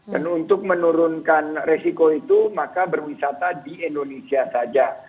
dan untuk menurunkan resiko itu maka berwisata di indonesia saja